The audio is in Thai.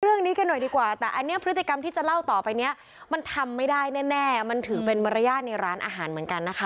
เรื่องนี้กันหน่อยดีกว่าแต่อันนี้พฤติกรรมที่จะเล่าต่อไปเนี้ยมันทำไม่ได้แน่มันถือเป็นมารยาทในร้านอาหารเหมือนกันนะคะ